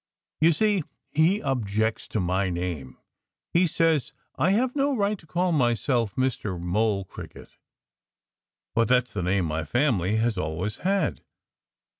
You see, he objects to my name. He says I have no right to call myself Mr. Mole Cricket. But that's the name my family has always had.